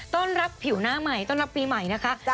ต้อนรับผิวหน้าใหม่ต้อนรับปีใหม่นะคะ